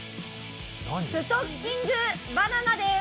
ストッキングバナナです。